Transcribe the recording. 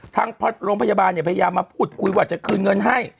ทั้งพรพยาบาลพยายามมาพูดคุยว่าจะคืนเงินให้